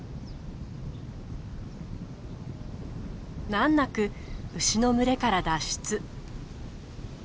難なく牛の群れから脱出。